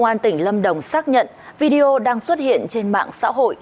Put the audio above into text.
cơ quan tỉnh lâm đồng xác nhận video đang xuất hiện trên mạng xã hội